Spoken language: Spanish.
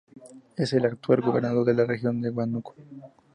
Es el actual Gobernador de la región de Huánuco.